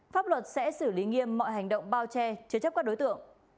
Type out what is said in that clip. pháp luật sẽ xử lý nghiêm mọi hành động bao che chứa chấp các đối tượng